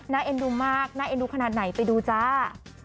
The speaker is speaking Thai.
เอ็นดูมากน่าเอ็นดูขนาดไหนไปดูจ้า